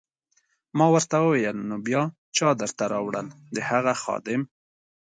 ما ورته وویل: نو بیا چا درته راوړل؟ د هغه خادم.